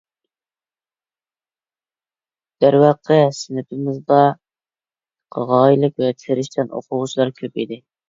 دەرۋەقە، سىنىپىمىزدا غايىلىك ۋە تىرىشچان ئوقۇغۇچىلار كۆپ ئىدى.